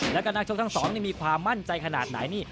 แล้วก็นักชกทั้งสองนี่มีความมั่นใจขนาดไหนนี่